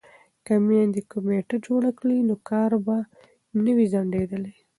که میندې کمیټه جوړه کړي نو کار به نه وي ځنډیدلی.